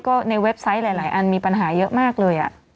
ก็ในเว็บไซต์หลายอันมีปัญหาเยอะมากเลย